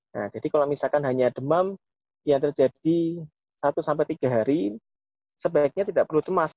nah jadi kalau misalkan hanya demam yang terjadi satu sampai tiga hari sebaiknya tidak perlu cemas